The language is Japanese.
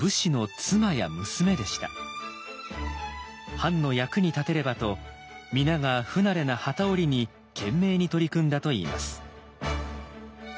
藩の役に立てればと皆が不慣れな機織りに懸命に取り組んだといいます。